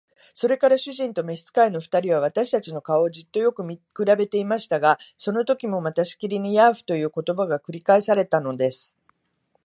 それから主人と召使の二人は、私たちの顔をじっとよく見くらべていましたが、そのときもまたしきりに「ヤーフ」という言葉が繰り返されたのです。